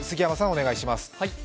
お願いします。